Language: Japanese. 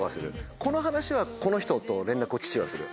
この話はこの人と連絡を父がする。